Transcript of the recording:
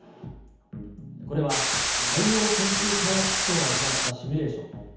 これは海洋研究開発機構が行ったシミュレーション。